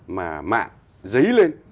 mà mạng dấy lên